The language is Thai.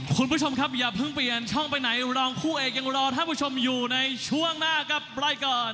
คุณผู้ชมครับอย่าเพิ่งเปลี่ยนช่องไปไหนรองคู่เอกยังรอท่านผู้ชมอยู่ในช่วงหน้ากับรายการ